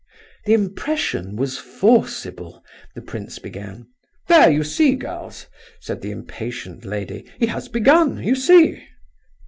"The impression was forcible—" the prince began. "There, you see, girls," said the impatient lady, "he has begun, you see."